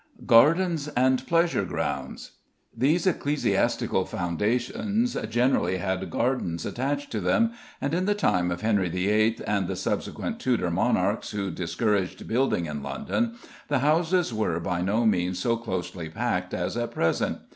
GARDENS AND PLEASURE GROUNDS. These ecclesiastical foundations generally had gardens attached to them, and in the time of Henry VIII. and the subsequent Tudor monarchs, who discouraged building in London, the houses were by no means so closely packed as at present.